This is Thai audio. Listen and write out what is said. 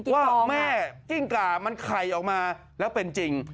ว่าแม่กิ้งก่ามันไข่ออกมาแล้วเป็นจริง